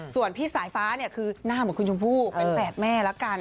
ส่วนพี่สายฟ้าเนี่ยคือหน้าเหมือนคุณชมพู่เป็นแฝดแม่ละกัน